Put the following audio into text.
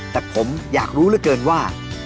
แต่ผมอยากรู้เหลือเกินว่า